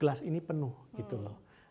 kelas ini penuh gitu loh